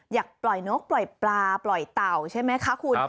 อยากปล่อยนกปล่อยปลาปล่อยเต่าใช่ไหมคะคุณ